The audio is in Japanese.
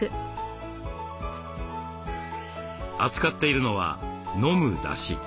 扱っているのは「飲むだし」。